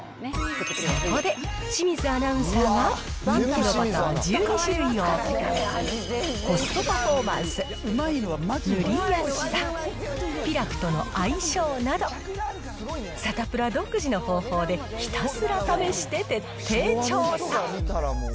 そこで、清水アナウンサーが人気のバター１２種類を、コストパフォーマンス、塗りやすさ、ピラフとの相性など、サタプラ独自の方法で、ひたすら試して徹底調査。